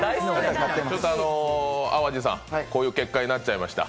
淡路さん、こういう結果になっちゃいました。